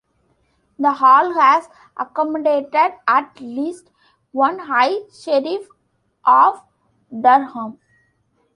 The hall has accommodated at least one High Sheriff of Durham.